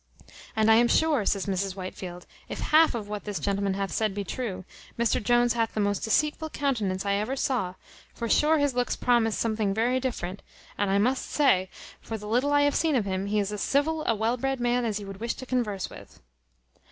"And I am sure," says Mrs Whitefield, "if half what this gentleman hath said be true, Mr Jones hath the most deceitful countenance I ever saw; for sure his looks promise something very different; and I must say, for the little I have seen of him, he is as civil a well bred man as you would wish to converse with."